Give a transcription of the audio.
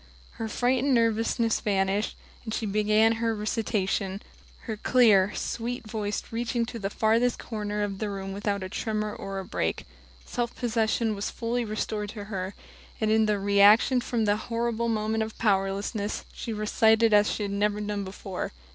Her fright and nervousness vanished; and she began her recitation, her clear, sweet voice reaching to the farthest corner of the room without a tremor or a break. Self possession was fully restored to her, and in the reaction from that horrible moment of powerlessness she recited as she had never done before.